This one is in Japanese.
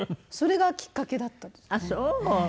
それがきっかけだったんですね。